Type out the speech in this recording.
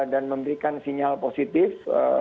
dan memberikan sinyal positif